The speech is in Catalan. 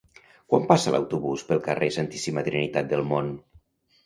Quan passa l'autobús pel carrer Santíssima Trinitat del Mont?